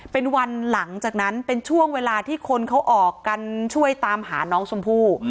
เป็นวันหลังจากนั้นเป็นช่วงเวลาที่คนเขาออกกันช่วยตามหาน้องชมพู่